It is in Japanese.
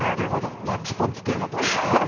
マッチポンプ系だと。